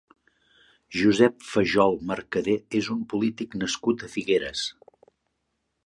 Josep Fajol Mercader és un polític nascut a Figueres.